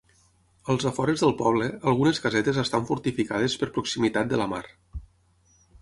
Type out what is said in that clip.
Als afores del poble, algunes casetes estan fortificades per proximitat de la mar.